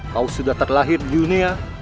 kau sudah terlahir di dunia